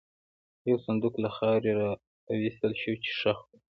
یو صندوق له خاورې را وایستل شو، چې ښخ و.